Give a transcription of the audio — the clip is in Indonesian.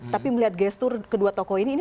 tapi melihat gestur kedua tokoh ini